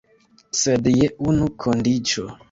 Sed je unu kondiĉo.